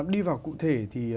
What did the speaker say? đi vào cụ thể thì